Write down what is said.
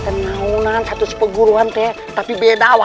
kenang kenang satu satu pengguruan tapi beda